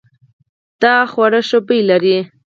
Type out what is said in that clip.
دا خوړو ښه بوی لري.